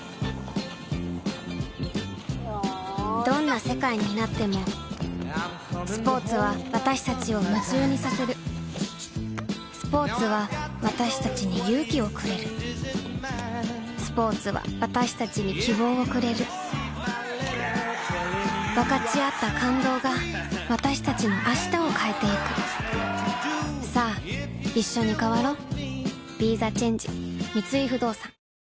どんな世界になってもスポーツは私たちを夢中にさせるスポーツは私たちに勇気をくれるスポーツは私たちに希望をくれる分かち合った感動が私たちの明日を変えてゆくさあいっしょに変わろう